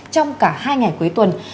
trong cả hai ngày cuối tuần